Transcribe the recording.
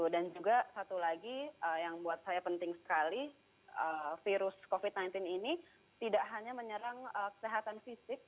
dan juga satu lagi yang buat saya penting sekali virus covid sembilan belas ini tidak hanya menyerang kesehatan fisik